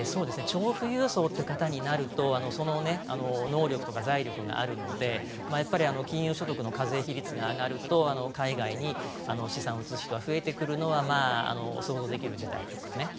超富裕層という方になるとその能力とか財力があるので金融所得の課税比率が上がると海外に資産を移す人が増えてくるのは想像できる事態ですよね。